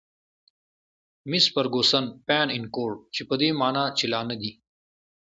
میس فرګوسن: 'pan encore' چې په دې مانا چې لا نه دي.